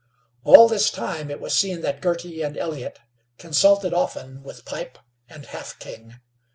All this time it was seen that Girty and Elliott consulted often with Pipe and Half King.